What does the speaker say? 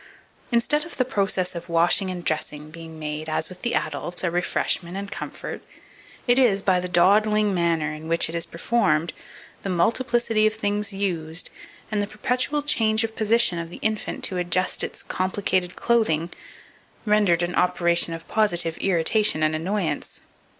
Instead of the process of washing and dressing being made, as with the adult, a refreshment and comfort, it is, by the dawdling manner in which it is performed, the multiplicity of things used, and the perpetual change of position of the infant to adjust its complicated clothing, rendered an operation of positive irritation and annoyance.